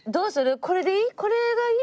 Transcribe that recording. これでいい？